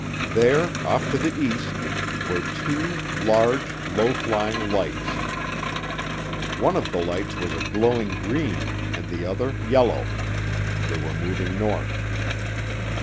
There, off to the east, were two, large, low flying lights. One of the lights was a glowing green and the other yellow. They were moving north.